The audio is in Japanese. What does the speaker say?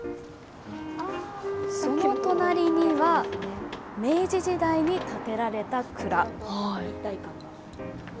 その隣には、明治時代に建てられた蔵。